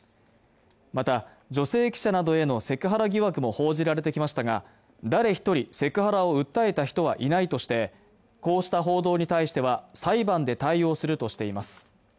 また、女性記者などへのセクハラ疑惑も報じられてきましたが、誰一人セクハラを訴えた人はいないとしてこうした報道に対しては、裁判で対応するとしています。